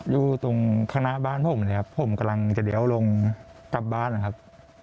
อยู่ตรงข้างหน้าบ้านผมเลยครับผมกำลังจะเลี้ยวลงกลับบ้านนะครับ